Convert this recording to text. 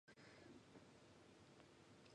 陽射しが春めいてまいりました